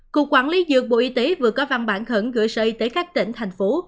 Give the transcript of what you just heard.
cục quản lý dược bộ y tế vừa có văn bản khẩn gửi sợi tới các tỉnh thành phố